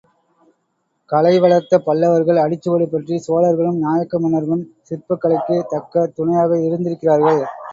கலை வளர்த்த பல்லவர்கள் அடிச்சுவடு பற்றி சோழர்களும் நாயக்க மன்னர்களும் சிற்பக் கலைக்குத் தக்கத் துணையாக இருந்திருக்கிறார்கள்.